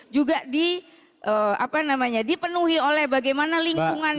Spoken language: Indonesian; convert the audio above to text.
bagaimana itu bisa dipenuhi oleh bagaimana lingkungannya